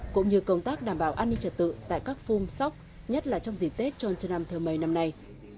cũng như công tác đảm bảo an ninh trật tự tại các phung sóc nhất là trong dịp tết cho năm thơ mây năm nay